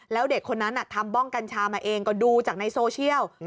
แล้วเด็กคนนั้นทำบ้องกัญชามาเองก็ดูจากในโซเชียล